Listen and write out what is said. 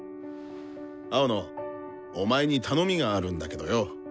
青野お前に頼みがあるんだけどよ。